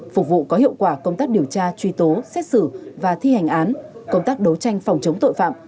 phục vụ có hiệu quả công tác điều tra truy tố xét xử và thi hành án công tác đấu tranh phòng chống tội phạm